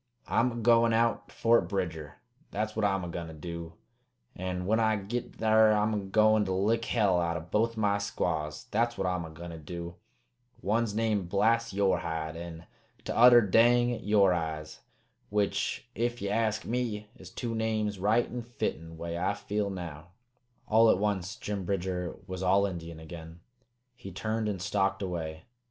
"I'm a goin' out to Fort Bridger, that's what I'm a goin' to do; an' when I git thar I'm a goin' to lick hell out o' both my squaws, that's what I'm a goin' to do! One's named Blast Yore Hide, an' t'other Dang Yore Eyes. Which, ef ye ask me, is two names right an' fitten, way I feel now." All at once Jim Bridger was all Indian again. He turned and stalked away.